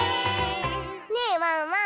ねえワンワン